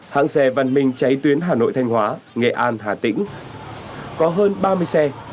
hãng xe văn minh cháy tuyến hà nội thanh hóa nghệ an hà tĩnh có hơn ba mươi xe